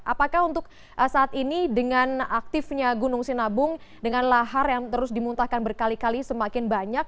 apakah untuk saat ini dengan aktifnya gunung sinabung dengan lahar yang terus dimuntahkan berkali kali semakin banyak